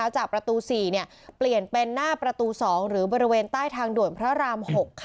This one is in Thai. จากประตู๔เปลี่ยนเป็นหน้าประตู๒หรือบริเวณใต้ทางด่วนพระราม๖